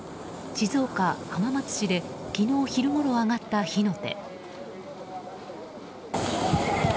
静岡・浜松市で昨日昼ごろ上がった火の手。